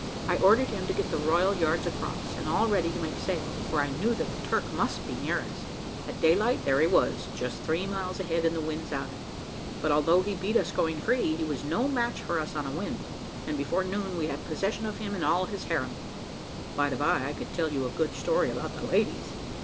I ordered him to get the royal yards across, and all ready to make sail, for I knew that the Turk must be near us. At daylight, there he was, just three miles ahead in the wind's eye. But although he beat us going free, he was no match for us on a wind, and before noon we had possession of him and all his harem. By the bye, I could tell you a good story about the ladies.